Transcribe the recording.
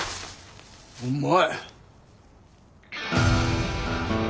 お前！